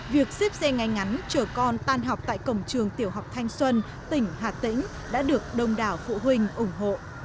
việc xếp xe ngay ngắn chờ con tan học tại cổng trường tiểu học thanh xuân tỉnh hà tĩnh đã được đông đảo phụ huynh ủng hộ